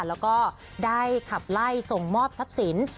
แล้วก็ได้ขับไล่ส่งมอบทรัพย์สิน